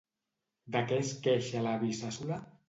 De què es queixa l'avi Sàssola?